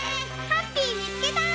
ハッピーみつけた！